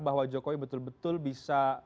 bahwa jokowi betul betul bisa